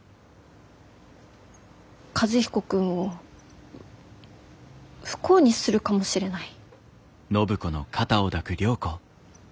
和彦君を不幸にするかもしれない。